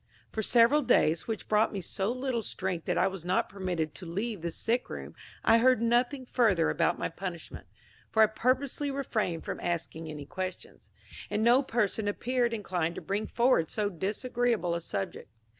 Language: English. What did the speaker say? For several days, which brought me so little strength that I was not permitted to leave the sick room, I heard nothing further about my punishment, for I purposely refrained from asking any questions, and no person appeared inclined to bring forward so disagreeable a subject.